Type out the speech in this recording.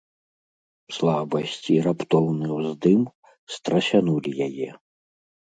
Слабасць і раптоўны ўздым страсянулі яе.